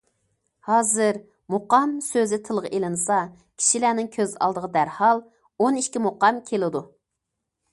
ھازىر‹‹ مۇقام›› سۆزى تىلغا ئېلىنسا كىشىلەرنىڭ كۆز ئالدىغا دەرھال‹‹ ئون ئىككى مۇقام›› كېلىدۇ.